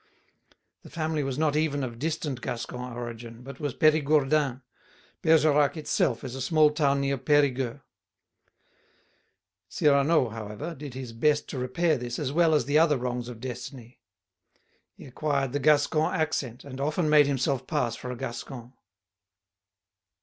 The family was not even of distant Gascon origin, but was Périgourdin; Bergerac itself is a small town near Périgueux. Cyrano, however, did his best to repair this as well as the other wrongs of Destiny; he acquired the Gascon accent, and often made himself pass for a Gascon.